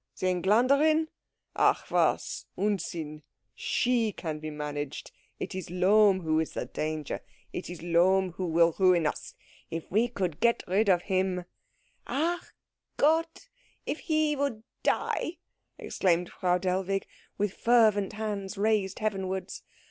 The Engländerin? Ach was Unsinn. She can be managed. It is Lohm who is the danger. It is Lohm who will ruin us. If we could get rid of him " "Ach Gott, if he would die!" exclaimed Frau Dellwig, with fervent hands raised heavenwards.